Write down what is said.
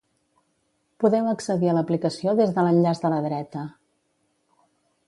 Podeu accedir a l'aplicació des de l'enllaç de la dreta.